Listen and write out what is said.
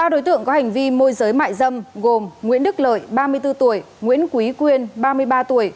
ba đối tượng có hành vi môi giới mại dâm gồm nguyễn đức lợi ba mươi bốn tuổi nguyễn quý quyên ba mươi ba tuổi